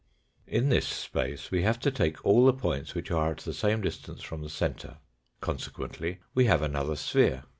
In this space we have to take all the points which are at the same distance from the centre, consequently we have another sphere.